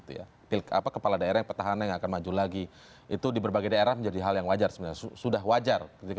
tapi soal bagaimana perusahaan yang mengelola itu